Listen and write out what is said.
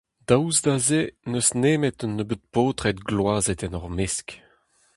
Daoust da se n'eus nemet un nebeud paotred gloazet en hor mesk.